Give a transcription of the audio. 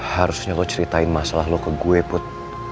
harusnya lo ceritain masalah lo ke gue put